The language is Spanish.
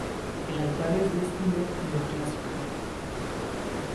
El altar es de estilo neoclásico.